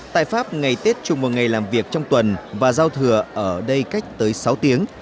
tại pháp ngày tết chung một ngày làm việc trong tuần và giao thừa ở đây cách tới sáu tiếng